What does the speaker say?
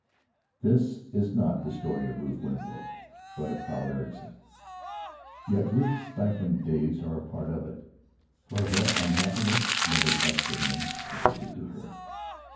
This is not the story of Ruth Winslow, but of Carl Ericson. Yet Ruth's stifling days are a part of it, for her unhappiness meant as much to him as it did to her.